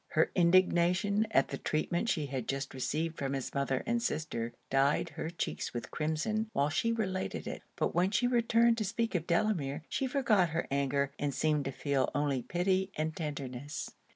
Her indignation at the treatment she had just received from his mother and sister, dyed her cheeks with crimson while she related it; but when she returned to speak of Delamere, she forgot her anger, and seemed to feel only pity and tenderness.